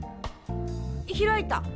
開いた！